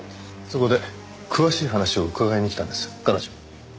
そこで詳しい話を伺いに来たんです彼女に。